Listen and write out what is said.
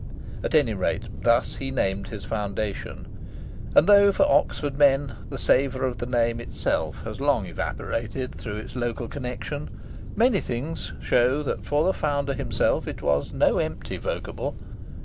At any rate, thus he named his foundation. And, though for Oxford men the savour of the name itself has long evaporated through its local connexion, many things show that for the Founder himself it was no empty vocable.